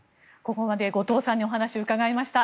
ここまで後藤さんにお話を伺いました。